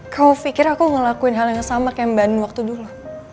kau pikir aku ngelakuin hal yang sama kayak mbak nu waktu dulu